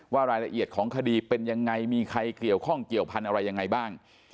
รายละเอียดของคดีเป็นยังไงมีใครเกี่ยวข้องเกี่ยวพันธุ์อะไรยังไงบ้าง